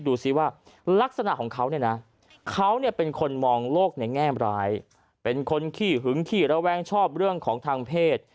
ดูซิว่าลักษณะของเขาเนี่ยนะเขาเนี่ยเป็นคนมองโลกในแง่มร้ายเป็นคนขี้หึงขี้ระแวงชอบเรื่องของทางเพศ